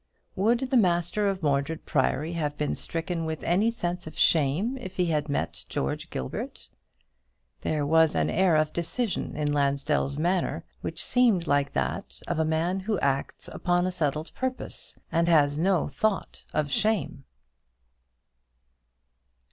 Would the master of Mordred Priory have been stricken with any sense of shame if he had met George Gilbert? There was an air of decision in Lansdell's manner which seemed like that of a man who acts upon a settled purpose, and has no thought of shame.